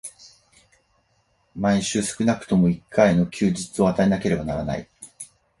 毎週少くとも一回の休日を与えなければならない。